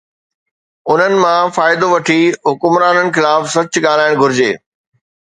انهن مان فائدو وٺي حڪمرانن خلاف سچ ڳالهائڻ گهرجي.